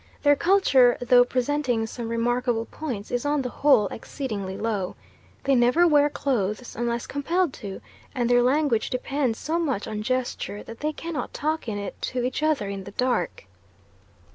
Their culture, though presenting some remarkable points, is on the whole exceedingly low. They never wear clothes unless compelled to, and their language depends so much on gesture that they cannot talk in it to each other in the dark.